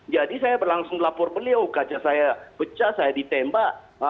jadi saya langsung lapor beliau kaca saya pecah saya ditembak